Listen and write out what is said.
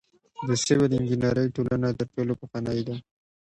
د سیول انجنیری ټولنه تر ټولو پخوانۍ ده.